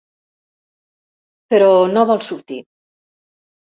Però no vol sortir.